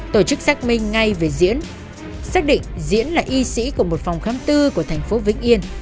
tổ chức xác minh ngay về diễn xác định diễn là y sĩ của một phòng khám tư của thành phố vĩnh yên